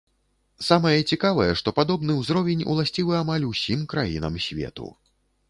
Самае цікавае, што падобны ўзровень уласцівы амаль усім краінам свету.